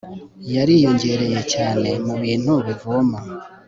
yariyongereye cyane mubintu bivoma